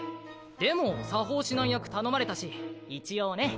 でも作法指南役頼まれたし一応ね。